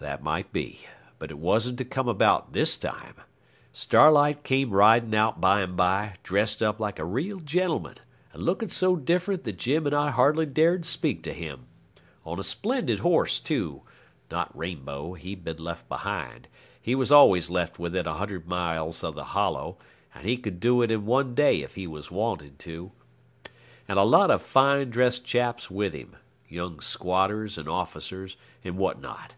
That might be, but it wasn't to come about this time. Starlight came riding out by and by, dressed up like a real gentleman, and lookin' so different that Jim and I hardly dared speak to him on a splendid horse too (not Rainbow, he'd been left behind; he was always left within a hundred miles of The Hollow, and he could do it in one day if he was wanted to), and a lot of fine dressed chaps with him young squatters and officers, and what not.